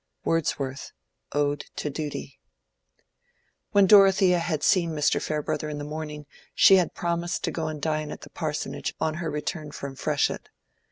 —WORDSWORTH: Ode to Duty. When Dorothea had seen Mr. Farebrother in the morning, she had promised to go and dine at the parsonage on her return from Freshitt.